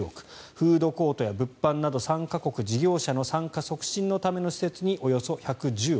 フードコートや物販など参加国・事業者の参加促進のための施設におよそ１１０億。